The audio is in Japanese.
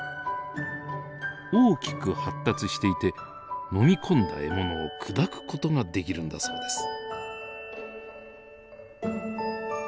大きく発達していて飲み込んだ獲物を砕く事ができるんだそうです。